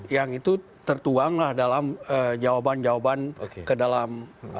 yang itu tertuanglah dalam jawaban jawaban ke dalam